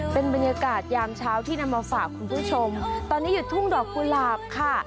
เป็นบรรยากาศยามเช้าที่นำมาฝากคุณผู้ชมตอนนี้อยู่ทุ่งดอกกุหลาบค่ะ